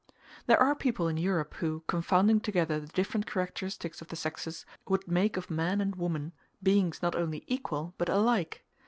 There are people in Europe who, confounding together the different characteristics of the sexes, would make of man and woman beings not only equal but alike.